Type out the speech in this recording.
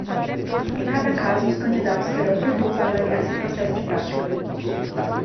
Em cada caso, os candidatos terão um tutor para avaliar seu processo de prática.